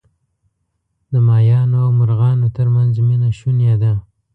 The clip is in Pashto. د ماهیانو او مرغانو ترمنځ مینه شوني ده.